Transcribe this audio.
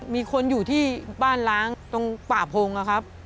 มีคนอยู่ที่บ้านล้างตรงป่าพงนะครับ